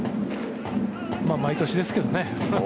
毎年ですけどね。